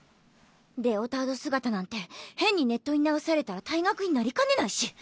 レオタード姿なんて変にネットに流されたら退学になりかねないし。